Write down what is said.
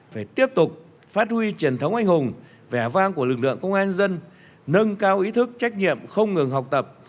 phải tiếp tục phát huy truyền thống anh hùng vẻ vang của lực lượng công an nhân dân nâng cao ý thức trách nhiệm không ngừng học tập